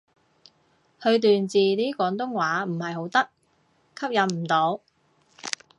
佢段字啲廣東話唔係好得，吸引唔到